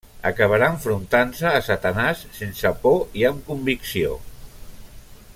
Acabarà enfrontant-se a Satanàs sense por i amb convicció.